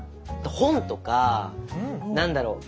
本とか何だろう